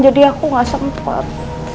jadi aku gak sempet